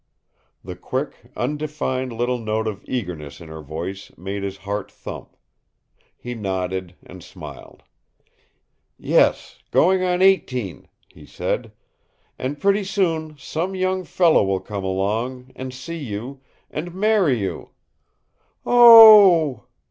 The quick, undefined little note of eagerness in her voice made his heart thump. He nodded, and smiled. "Yes, going on eighteen," he said. "And pretty soon some young fellow will come along, and see you, and marry you " "O o o h h h!"